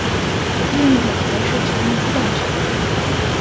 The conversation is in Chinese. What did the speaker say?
另一种则是全用鸡蛋制造。